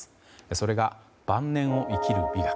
それが、晩年を生きる美学。